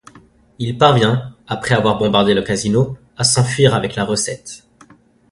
Il parvient, après avoir bombardé le casino, à s'enfuir avec la recette.